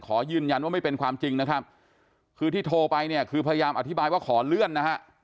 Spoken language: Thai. ขอยืนยันว่าไม่เป็นความจริงนะครับคือที่โทรไปเนี่ยคือพยายามอธิบายว่าขอเลื่อนนะฮะ